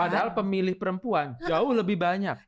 padahal pemilih perempuan jauh lebih banyak